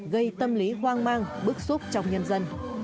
gây tâm lý hoang mang bức xúc trong nhân dân